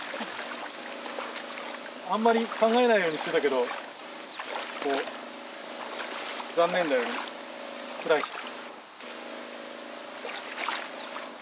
あんまり考えないようにしてたけどこう残念だよねつらい。